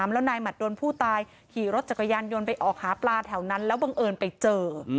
แล้วนายหมัดดนผู้ตายขี่รถจักรยานยนต์ไปออกหาปลาแถวนั้นแล้วบังเอิญไปเจอ